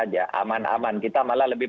aja aman aman kita malah lebih